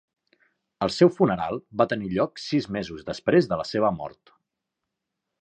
El seu funeral va tenir lloc sis mesos després de la seva mort.